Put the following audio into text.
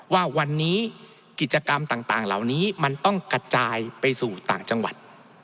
ว่าวันนี้กิจกรรมต่างเหล่านี้มันต้องกระจายไปสู่ต่างจังหวัด